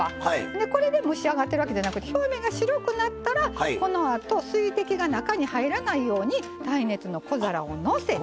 でこれで蒸し上がってるわけじゃなくて表面が白くなったらこのあと水滴が中に入らないように耐熱の小皿をのせて。